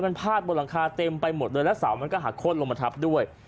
มันพลาดบนรังคาเต็มไปหมดแล้วสาวมันก็ห่างข้ดลมหัวทัพด้วย